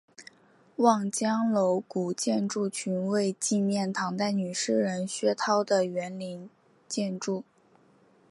望江楼古建筑群为纪念唐代女诗人薛涛的园林建筑。